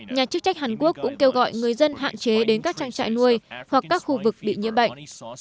nhà chức trách hàn quốc cũng kêu gọi người dân hạn chế đến các trang trại nuôi hoặc các khu vực bị nhiễm bệnh